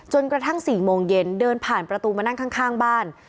กระทั่ง๔โมงเย็นเดินผ่านประตูมานั่งข้างบ้าน